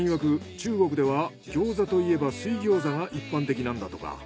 中国では餃子といえば水餃子が一般的なんだとか。